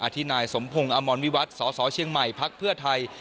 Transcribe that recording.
ที่นายสมพงศ์อมรวิวัตรสสเชียงใหม่พักเพื่อไทย